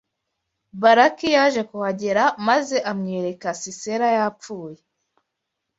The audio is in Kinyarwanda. Baraki yaje kuhagera maze amwereka Sisera yapfuye!